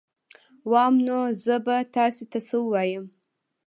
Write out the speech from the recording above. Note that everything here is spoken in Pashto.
وام نو زه به تاسي ته څه ووایم